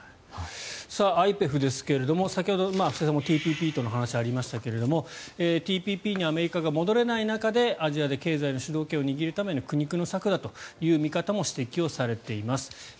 ＩＰＥＦですが先ほど布施さんもＴＰＰとの話がありましたがＴＰＰにアメリカが戻れない中でアジアで経済の主導権を握るための苦肉の策だという見方も指摘をされています。